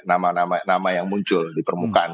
nama nama yang muncul di permukaan